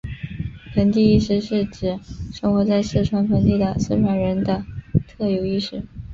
盆地意识是指生活在四川盆地的四川人的特有意识。